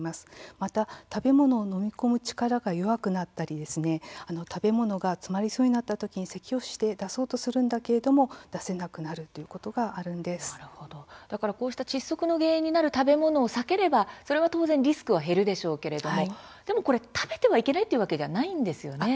また、食べ物を飲み込む力が弱くなったり食べ物が詰まりそうになったときに、せきをして出そうとするんだけれども出せなくなるということが窒息の原因になる食べ物を避ければ、当然リスクは減るでしょうけれども食べてはいけないというわけではないですよね？